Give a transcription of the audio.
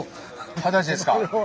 二十歳ですか。